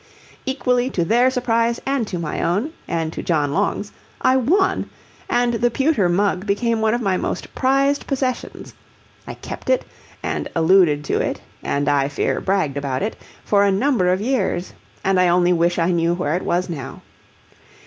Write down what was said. Equally to their surprise and to my own, and to John Long's, I won, and the pewter mug became one of my most prized possessions. I kept it, and alluded to it, and I fear bragged about it, for a number of years, and I only wish I knew where it was now.